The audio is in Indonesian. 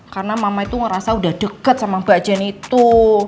karena mama itu ngerasa udah deket sama mbak jen itu